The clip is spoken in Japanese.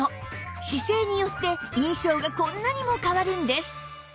姿勢によって印象がこんなにも変わるんです